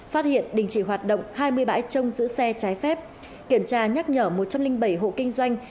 phát hiện đình chỉ hoạt động hai mươi bãi trông giữ xe trái phép kiểm tra nhắc nhở một trăm linh bảy hộ kinh doanh